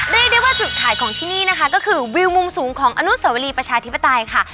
เรียกได้ว่าจุดขายของที่นี่นะคะก็คือวิวมุมสูงของอนุสวรีประชาธิปไตยค่ะ